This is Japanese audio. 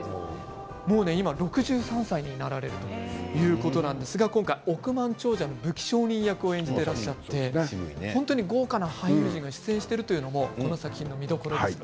今は６３歳になられているということなんですが今回、億万長者の武器商人役を演じていらっしゃって豪華な俳優陣が出演しているというのもこの作品の見どころです。